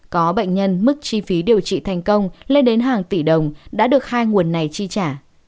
có bệnh nhân mức chi phí điều trị thành công lên đến hàng tỷ đồng đã được hai nguồn này chi trả